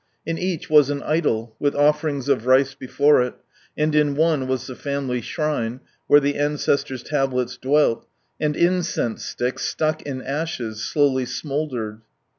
In each was an idol, with offerings of rice before it, and in one was the fatnily shrine, where the ancestor's tablets dwelt, and incense sticks, stuck in ashes, slowly smouldered.